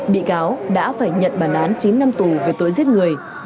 bị cáo đã phải nhận bản án chín năm tù về tội giết người